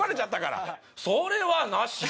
それはなし。